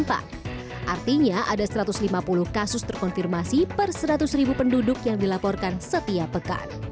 artinya ada satu ratus lima puluh kasus terkonfirmasi per seratus ribu penduduk yang dilaporkan setiap pekan